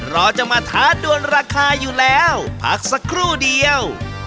รอจะมาท้าดวนราคาอยู่แล้วพักสักครู่เดียว